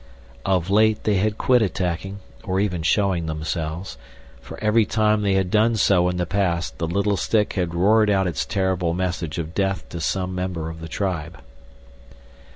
Of late they had quit attacking, or even showing themselves; for every time they had done so in the past the little stick had roared out its terrible message of death to some member of the tribe.